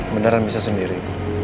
beneran bisa sendiri